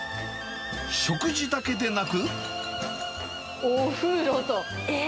食事だけでなく。